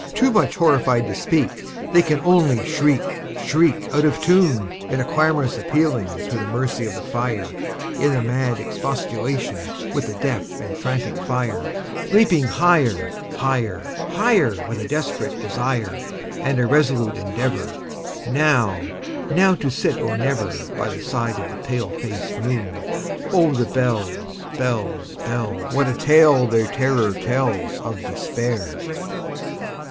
Too much horrified to speak, They can only shriek, shriek, Out of tune, In a clamorous appealing to the mercy of the fire, In a mad expostulation with the deaf and frantic fire, Leaping higher, higher, higher, With a desperate desire, And a resolute endeavorNow—now to sit or never, By the side of the pale faced moon. Oh, the bells, bells, bells! What a tale their terror tellsOf Despair!